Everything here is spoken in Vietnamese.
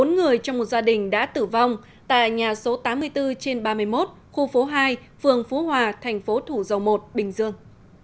bốn người trong một gia đình đã tử vong tại nhà số tám mươi bốn trên ba mươi một khu phố hai phường phú hòa thành phố thủ dầu một bình dương